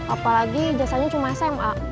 apalagi jasanya cuma sma